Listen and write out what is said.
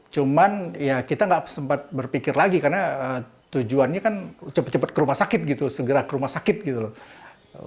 cuman ya kita nggak sempat berpikir lagi karena tujuannya kan cepat cepat ke rumah sakit gitu segera ke rumah sakit gitu loh